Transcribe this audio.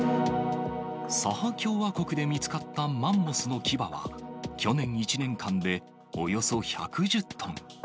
サハ共和国で見つかったマンモスの牙は、去年１年間でおよそ１１０トン。